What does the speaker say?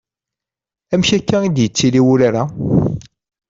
Amek akka i d-ittili wurar-a?